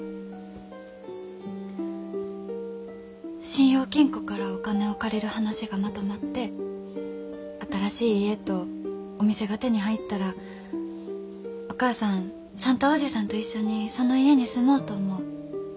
信用金庫からお金を借りる話がまとまって新しい家とお店が手に入ったらお母さん算太伯父さんと一緒にその家に住もうと思う。